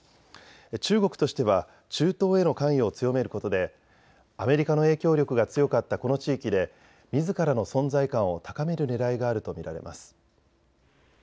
中国としては中東への関与を強めることでアメリカの影響力が強かったこの地域でみずからの存在感を高めるねらいがあると見られます。